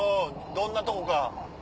どんなとこか。